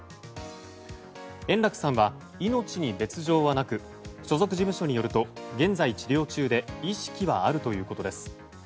円楽さんは命に別条はなく所属事務所によると現在治療中で意識はあるということです。